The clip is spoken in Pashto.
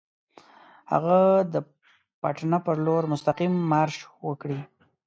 هغه د پټنه پر لور مستقیم مارش وکړي.